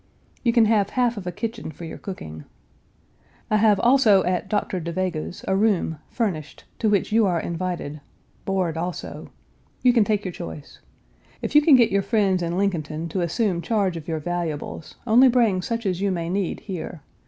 You can have half of a kitchen for your cooking. I have also at Dr. Da Vega's, a room, furnished, to which you are invited (board, also). You can take your choice. If you can get your friends in Lincolnton to assume charge of your valuables, only bring such as you may need here.